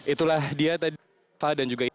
itulah dia tadi dan juga ini